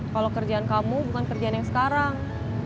kalau kerjaan kamu bukan kerjaan yang sekarang